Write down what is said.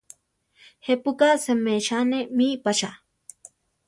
¿Je pu ka seméchane mí pa chá?